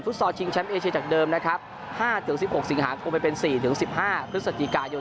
ฟุตซอร์ชิงแชมป์เอเชียจากเดิม๕๑๖ส่งหาคมไปเป็น๔๑๕พฤศจิกายน